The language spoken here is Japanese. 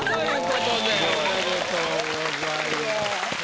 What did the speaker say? おめでとうございます。